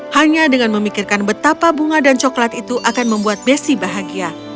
hanya dengan memikirkan betapa bunga dan coklat itu akan membuat besi bahagia